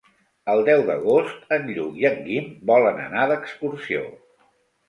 El deu d'agost en Lluc i en Guim volen anar d'excursió.